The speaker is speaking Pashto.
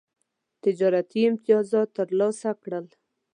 تجارتي امتیازات ترلاسه کړل.